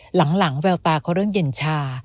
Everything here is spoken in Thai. หลังแววตาเขาเริ่มเย็นชา